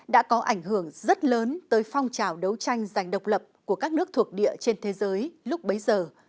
đã có ảnh hưởng rất lớn tới phong trào đấu tranh giành độc lập của các nước thuộc địa trên thế giới lúc bấy giờ